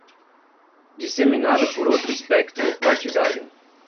Disseminada por outro espectro partidário